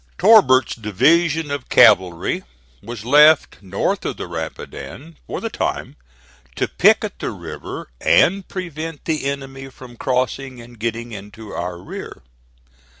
Torbert's division of cavalry was left north of the Rapidan, for the time, to picket the river and prevent the enemy from crossing and getting into our rear.